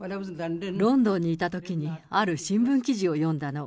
ロンドンにいたときに、ある新聞記事を読んだの。